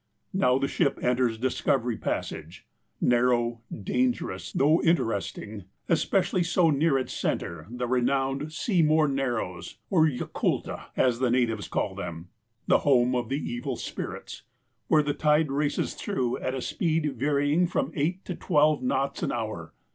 Now the ship enters Discovery Passage, narrow, dan gerous, though interesting, especially so near its centre, the renowned Seymour Narrows, or "Yaculta," as the natives call them — (the home of the evil spirits) — where the tide races through at a speed varying from eight to twelve knots an hour.